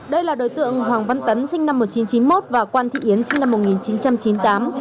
đây là đối tượng hoàng văn tấn sinh năm một nghìn chín trăm chín mươi một và quan thị yến sinh năm một nghìn chín trăm chín mươi tám